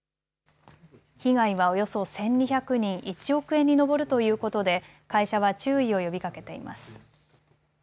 被害はおよそ１２００人、１億円に上るということで会社は注意を呼びかけています。